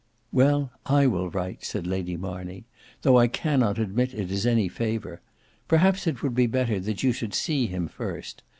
"Well, I will write," said Lady Marney; "though I cannot admit it is any favour. Perhaps it would be better that you should see him first.